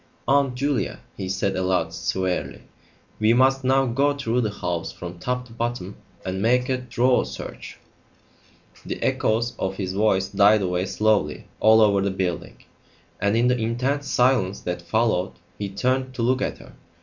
"Aunt Julia," he said aloud, severely, "we must now go through the house from top to bottom and make a thorough search." The echoes of his voice died away slowly all over the building, and in the intense silence that followed he turned to look at her.